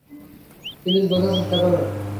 Please বোঝার চেষ্টা করুন।